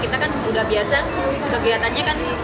kita kan sudah biasa kegiatannya kan